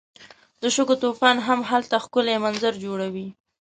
د شګو طوفان هم هلته ښکلی منظر جوړوي.